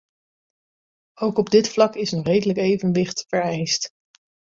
Ook op dit vlak is een redelijk evenwicht vereist.